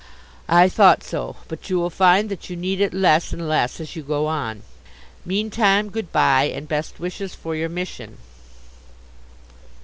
"I thought so. But you will find that you need it less and less as you go on. Meantime, good bye, and best wishes for your mission."